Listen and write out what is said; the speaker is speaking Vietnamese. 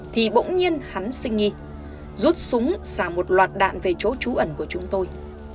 thì bỗng nhiên hắn sinh nghi rút súng sang một loạt đạn về chỗ trú ẩn của chúng tôi